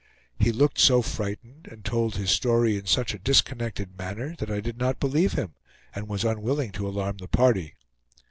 He looked so frightened, and told his story in such a disconnected manner, that I did not believe him, and was unwilling to alarm the party.